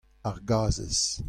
Ar gazhez.